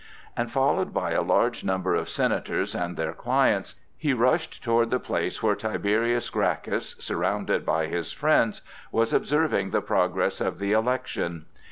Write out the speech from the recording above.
and followed by a large number of Senators and their clients, he rushed toward the place where Tiberius Gracchus, surrounded by his friends, was observing the progress of the election.